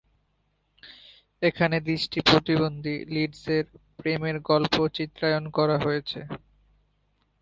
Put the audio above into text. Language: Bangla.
এখানে দৃষ্টি প্রতিবন্ধী লিডসের প্রেমের গল্প চিত্রায়ন করা হয়েছে।